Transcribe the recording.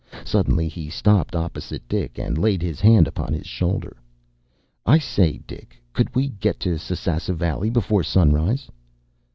Suddenly he stopped opposite Dick, and laid his hand upon his shoulder. “I say, Dick, could we get to Sasassa Valley before sunrise?